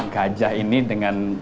gajah ini dengan